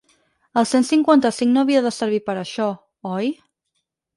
El cent cinquanta-cinc no havia de servir per això, oi?